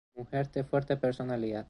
Mujer de fuerte personalidad.